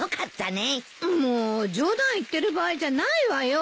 もう冗談言ってる場合じゃないわよ。